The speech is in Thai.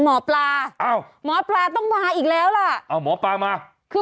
หมอปลาอ้าวหมอปลาต้องมาอีกแล้วล่ะอ้าวหมอปลามาคือ